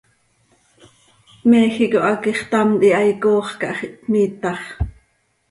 Méjico hac ixtamt hihaai coox cah x ihpmiitax.